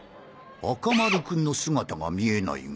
赤丸君の姿が見えないが。